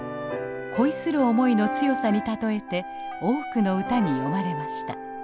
恋する思いの強さに例えて多くの歌に詠まれました。